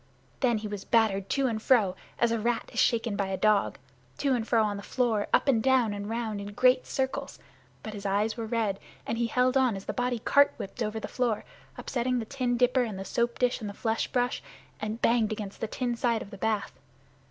Then he was battered to and fro as a rat is shaken by a dog to and fro on the floor, up and down, and around in great circles, but his eyes were red and he held on as the body cart whipped over the floor, upsetting the tin dipper and the soap dish and the flesh brush, and banged against the tin side of the bath.